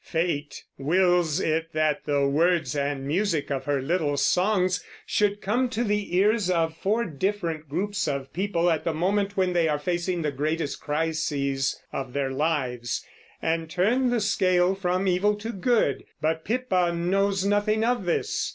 Fate wills it that the words and music of her little songs should come to the ears of four different groups of people at the moment when they are facing the greatest crises of their lives, and turn the scale from evil to good. But Pippa knows nothing of this.